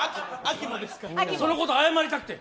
そのことを謝りたくて。